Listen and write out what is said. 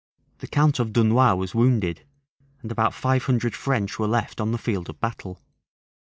The count of Dunois was wounded; and about five hundred French were left on the field of battle.